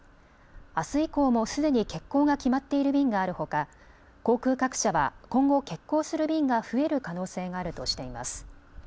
あす以降もすでに欠航が決まっている便があるほか航空各社は今後、欠航する便が増える可能性があるとしています。